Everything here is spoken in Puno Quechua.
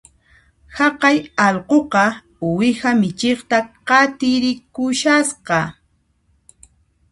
Haqay allquqa uwiha michiqta qatirikushasqa